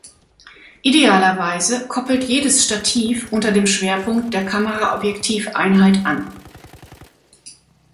Idealerweise koppelt jedes Stativ unter dem Schwerpunkt der Kamera-Objektiv-Einheit an.